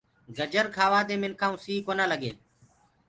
گجر کآوآ دي منکآنٚ ڪوُ سي ڪونآ لگي۔